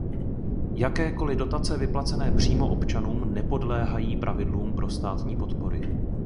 Jakékoli dotace vyplacené přímo občanům nepodléhají pravidlům pro státní podpory.